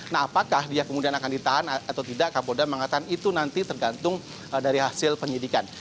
nah apakah dia kemudian akan ditahan atau tidak kapolda mengatakan itu nanti tergantung dari hasil penyidikan